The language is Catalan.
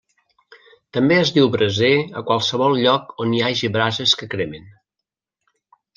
També es diu braser a qualsevol lloc on hi hagi brases que cremen.